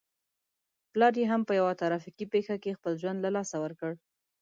پلار يې هم په يوه ترافيکي پېښه کې خپل ژوند له لاسه ور کړ.